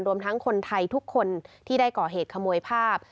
รวมทั้งคนไทยทุกคนที่ได้ก่อเหตุขโมยภาพ